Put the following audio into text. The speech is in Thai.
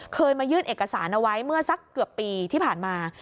เคยมายื่นเอกสารเอาไว้เมื่อสักเกือบปีที่ผ่านมา